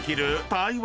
［台湾